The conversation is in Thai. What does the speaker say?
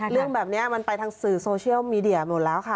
เรื่องแบบนี้มันไปทางสื่อโซเชียลมีเดียหมดแล้วค่ะ